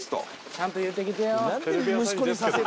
ちゃんと言うてきてよ。